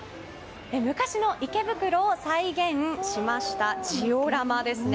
昔の池袋を再現しましたジオラマですね。